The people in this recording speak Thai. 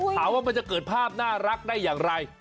ถามว่ามันจะเกิดภาพน่ารักได้อย่างไร